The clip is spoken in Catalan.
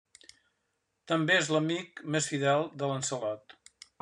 També és l'amic més fidel de Lancelot.